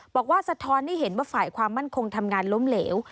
สะท้อนให้เห็นว่าฝ่ายความมั่นคงทำงานล้มเหลว